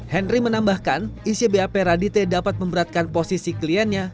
henry menambahkan isi bap radite dapat memberatkan posisi kliennya